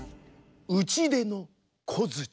うちでのこづち。